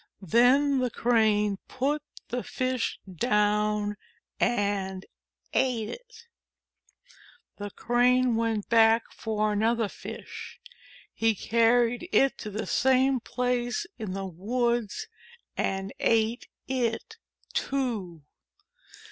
Then the Crane put the Fish down and ate it. The Crane went back for another Fish. He carried it to the same place in the woods and ate it, too.